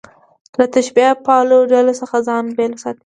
له تشبیه پالو ډلو څخه ځان بېل وساتي.